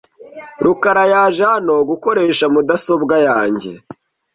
rukara yaje hano gukoresha mudasobwa yanjye .